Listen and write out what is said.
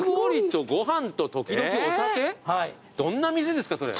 どんな店ですかそれ。